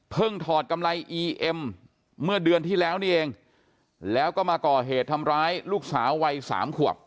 ถอดกำไรอีเอ็มเมื่อเดือนที่แล้วนี่เองแล้วก็มาก่อเหตุทำร้ายลูกสาววัยสามขวบ